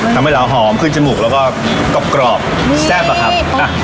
ทำให้เราหอมขึ้นจมูกแล้วก็กรอบแซ่บอะครับ